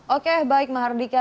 oke baik mahardika